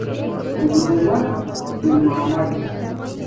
• غاښونه د عمر سره کمزوري کیږي.